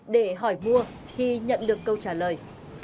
để hỏi mua khi nhận được câu trả lời